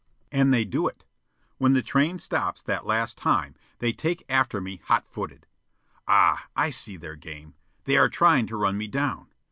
And they do it. When the train stops that last time, they take after me hot footed. Ah, I see their game. They are trying to run me down.